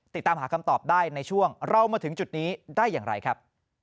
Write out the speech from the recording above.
ติดตามหาคำตอบได้ในช่วงเรามาถึงจุดนี้ได้อย่างไรครับ